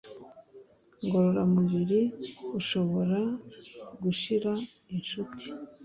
ngororamubiri ushobora gushira inshuti